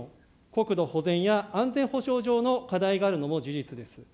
国土保全や安全保障上の課題があるのも事実です。